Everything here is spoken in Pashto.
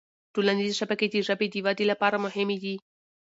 ټولنیزې شبکې د ژبې د ودې لپاره مهمي دي